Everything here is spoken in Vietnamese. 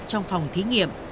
trong phòng thí nghiệm